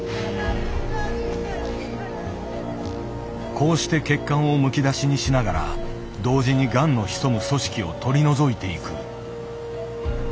こうして血管をむき出しにしながら同時にがんの潜む組織を取り除いていく。